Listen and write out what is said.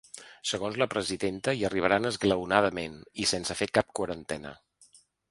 Segons la presidenta, hi arribaran esglaonadament i sense fer cap quarantena.